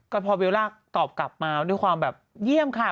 ก็พอเบลล่าตอบกลับมาด้วยความแบบเยี่ยมค่ะ